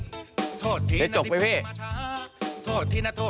เจ็ดจกมั้ยพี่